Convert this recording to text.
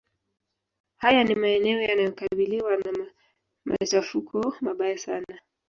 Haya ni maeneo yanayokabiliwa na macahafuko mabaya sana